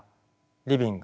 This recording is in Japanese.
リビング？